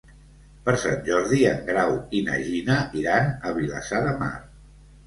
Per Sant Jordi en Grau i na Gina iran a Vilassar de Mar.